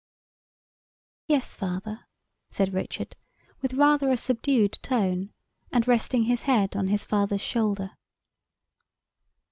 "Yes, father," said Richard, with rather a subdued tone, and resting his head on his father's shoulder.